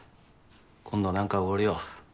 今度何か奢るよ。